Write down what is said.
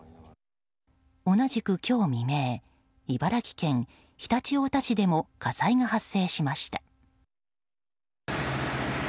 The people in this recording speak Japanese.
同じく今日未明茨城県常陸太田市でも火災が発生しました。